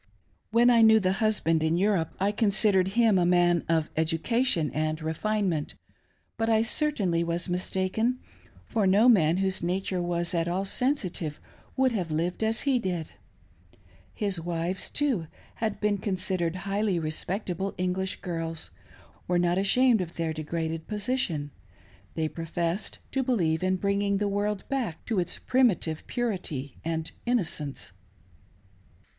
When I knew the husband in Europe, I considered him a man of education and refinement, but I certainly was mistaken, for no man whose nature was at all sensitive would have lived as he did. His wives, too, who had been considered highly respec table English girls, were not ashamed of their degraded posi tion— they professed to believe in bringing the world back to its primitive purity and innocence.